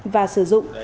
và sử dụng